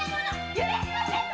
許しませんぞ！